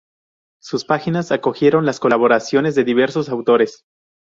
Sus páginas acogieron las colaboraciones de diversos autores.